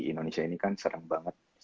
indonesia ini kan sering banget